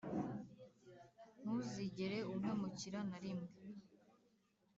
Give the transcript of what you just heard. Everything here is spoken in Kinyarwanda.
ntuzigera umpemukira narimwe